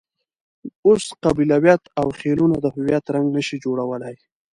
اوس قبیلویت او خېلونه د هویت رنګ نه شي جوړولای.